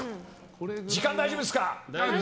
時間大丈夫ですか？